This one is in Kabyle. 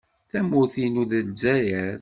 Tamurt-inu d Lezzayer.